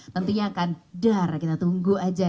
tentunya akan dar kita tunggu aja